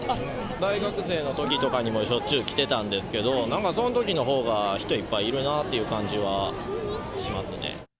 大学生のときとかにも、しょっちゅう来てたんですけど、なんかそのときのほうが、人いっぱいいるなって感じはしますね。